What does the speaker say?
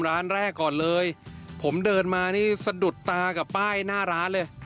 ร้านแรกก่อนเลยผมเดินมานี่สะดุดตากับป้ายหน้าร้านเลย